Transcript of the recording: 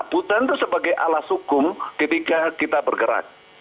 hutan itu sebagai alas hukum ketika kita bergerak